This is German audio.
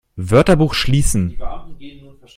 Wörterbuch schließen!